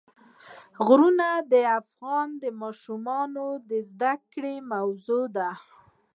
غرونه د افغان ماشومانو د زده کړې موضوع ده.